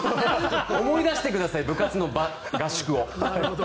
思い出してください部活の合宿を。